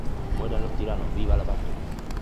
Mueran los tiranos ¡Viva la Patria!